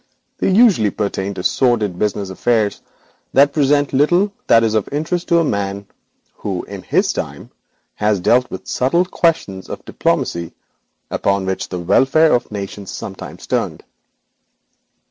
They usually pertain to sordid business affairs, presenting little that is of interest to a man who, in his time, has dealt with subtle questions of diplomacy upon which the welfare of nations sometimes turned.